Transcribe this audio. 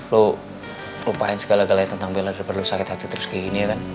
lo lupain segala galanya tentang bella daripada lo sakit hati terus kayak gini ya kan